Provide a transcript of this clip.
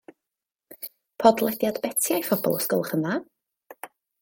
Podlediad Beti a'i phobl os gwelwch yn dda